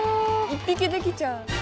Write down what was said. １匹できちゃう。